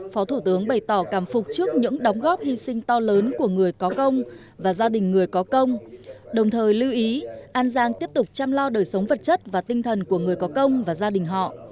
phó thủ tướng bày tỏ cảm phục trước những đóng góp hy sinh to lớn của người có công và gia đình người có công đồng thời lưu ý an giang tiếp tục chăm lo đời sống vật chất và tinh thần của người có công và gia đình họ